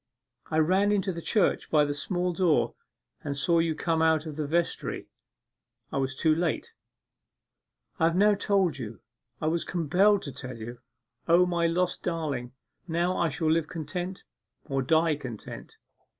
I ran into the church by the small door and saw you come out of the vestry; I was too late. I have now told you. I was compelled to tell you. O, my lost darling, now I shall live content or die content!